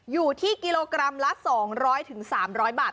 อยู่ที่กิโลกรัมละ๒๐๐๓๐๐บาท